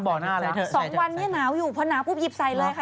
สองวันนี้หนาวอยู่เพราะหนาวบุบยิบใส่เลยค่ะ